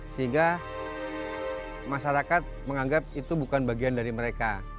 sehingga masyarakat menganggap itu bukan bagian dari mereka